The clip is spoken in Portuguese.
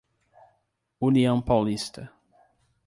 União Paulista